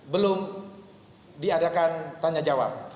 belum diadakan tanya jawab